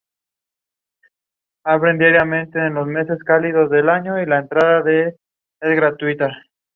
En algún lugar en Israel, tres niños juegan al escondite en el bosque.